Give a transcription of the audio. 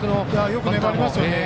よく粘りますよね。